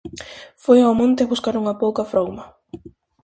Foi ao monte buscar unha pouca frouma.